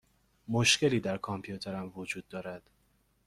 مشکلی در کامپیوترم وجود دارد.